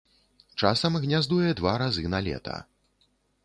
Часам гняздуе два разы на лета.